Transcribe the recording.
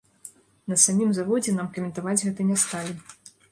На самім заводзе нам каментаваць гэта не сталі.